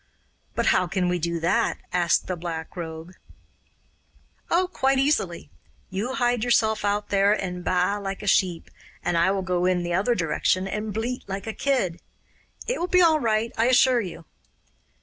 'But how can we do that?' asked the Black Rogue. 'Oh, quite easily! You hide yourself out there and baa like a sheep, and I will go in the other direction and bleat like a kid. It will be all right, I assure you.